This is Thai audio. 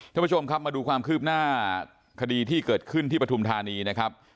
ท่านผู้ชมครับมาดูความคืบหน้าคดีที่เกิดขึ้นที่ปฐุมธานีนะครับ